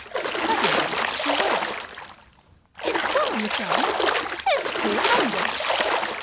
Suddenly she wailed: "It's gone, Miss Agnes. It's clear under!"